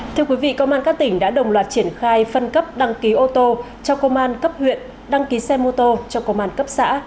thưa quý vị công an các tỉnh đã đồng loạt triển khai phân cấp đăng ký ô tô cho công an cấp huyện đăng ký xe mô tô cho công an cấp xã